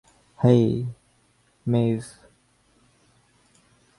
হেই, ম্যাভ।